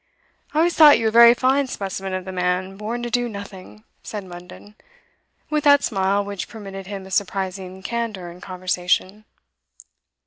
'I always thought you a very fine specimen of the man born to do nothing,' said Munden, with that smile which permitted him a surprising candour in conversation.